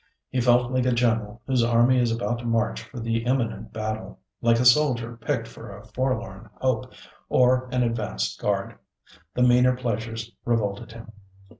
He felt like a general whose army is about to march for the imminent battle—like a soldier picked for a forlorn hope, or an advanced guard. The meaner pleasures revolted him.